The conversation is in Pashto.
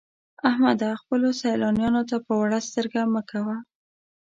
احمده! خپلو سيالانو ته په وړه سترګه مه ګوه.